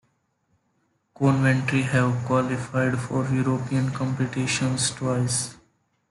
Coventry have qualified for European competitions twice.